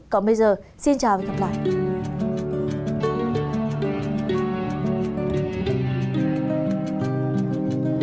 còn bây giờ xin chào và hẹn gặp lại